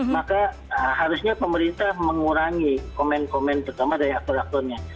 maka harusnya pemerintah mengurangi komen komen pertama dari akuraturnya